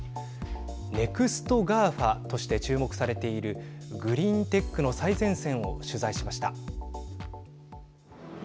ネクストＧＡＦＡとして注目されているグリーンテックの最前線を取材しました。